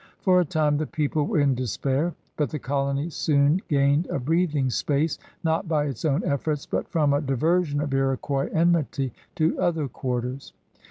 For a time the people were in deq>air, but the colony soon gained a breathing q>ace, not by its own efforts, but from a diversion of Iroquois enmity to other quarters.